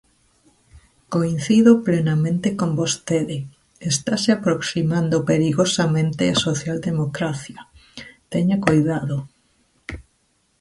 Coincido plenamente con vostede, estase aproximando perigosamente á socialdemocracia, teña coidado.